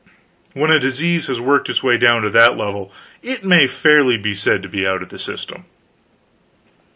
When a disease has worked its way down to that level, it may fairly be said to be out of the system.